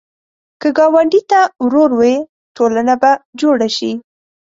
که ګاونډي ته ورور وې، ټولنه به جوړه شي